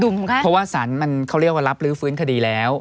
เพราะว่าสารมันเขาเรียกว่ารับลื้อฟื้นคดีแล้ว